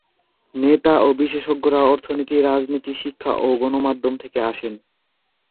নেতা ও বিশেষজ্ঞরা অর্থনীতি, রাজনীতি, শিক্ষা ও গণমাধ্যম থেকে আসেন।